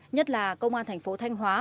nhất là công an thành phố thanh hóa